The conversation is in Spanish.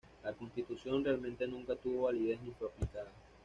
La constitución realmente nunca tuvo validez ni fue aplicada.